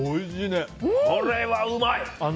これはうまい！